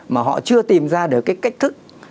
mà họ chưa tìm ra được cái cách thức